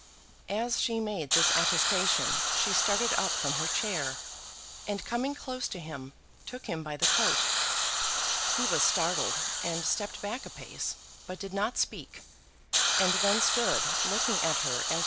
As she made this attestation she started up from her chair, and coming close to him, took him by the coat. He was startled, and stepped back a pace, but did not speak; and then stood looking at her as she went on.